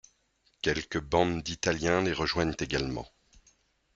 Quelques bandes d’Italiens les rejoignent également.